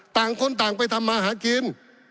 ต่างคนต่างไปทำมาหากิน